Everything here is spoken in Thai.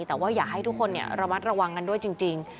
แต่ว่าอยากให้ทุกคนระมัดระวังกันด้วยจริง